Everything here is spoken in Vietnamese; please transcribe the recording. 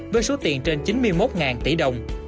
với số tiền trên chín mươi một tỷ đồng